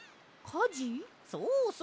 そうそう。